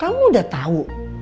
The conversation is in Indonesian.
kamu udah tau